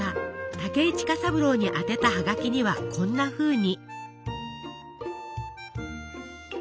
武井近三郎に宛てたハガキにはこんなふうに。